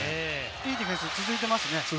ディフェンスが続いていますね。